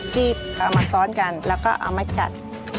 ที่เอามาซ้อนกันแล้วก็เอามาจัด